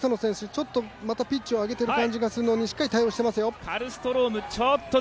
ちょっとまたピッチを上げている感じがするのにしっかり対応してますよ。